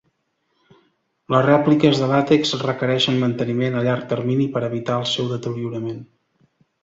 Les rèpliques de làtex requereixen manteniment a llarg termini per evitar el seu deteriorament.